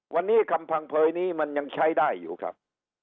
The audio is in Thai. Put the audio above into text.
วันนี้คำพังเผยนี้มันยังใช้ได้อยู่ครับ